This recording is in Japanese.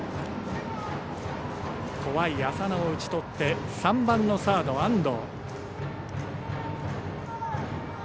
怖い浅野を打ちとって３番のサード、安藤。